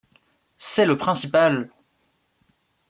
C’est le principal !